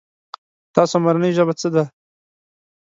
تاسو مورنۍ ژبه څه ده ؟